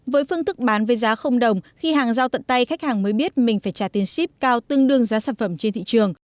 với phương thức bán với giá đồng khi hàng giao tận tay khách hàng mới biết mình phải trả tiền ship cao tương đương giá sản phẩm trên thị trường